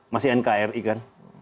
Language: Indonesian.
masih nkri kan